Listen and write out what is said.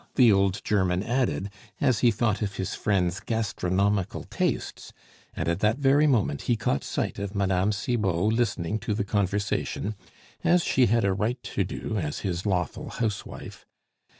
the old German added, as he thought of his friend's gastronomical tastes; and at that very moment he caught sight of Mme. Cibot listening to the conversation, as she had a right to do as his lawful housewife.